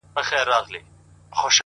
دا ځلي غواړم لېونی سم د هغې مینه کي ـ